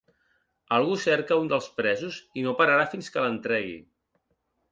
Algú cerca un dels presos i no pararà fins que l’en tregui.